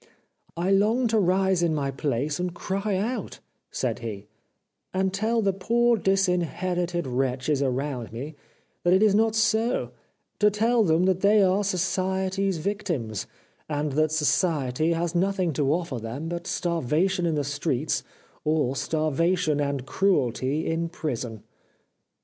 '' I long to rise in my place, and cry out," said he, '' and tell the poor, disinherited wretches around me that it is not so ; to tell them that they are society's 391 The Life of Oscar Wilde victims, and that society has nothing to offer them but starvation in the streets, or starvation and cruelty in prison